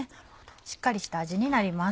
しっかりした味になります。